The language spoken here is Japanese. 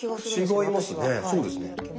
そうですね。